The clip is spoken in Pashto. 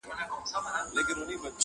د جرگې به يو په لس پورته خندا سوه٫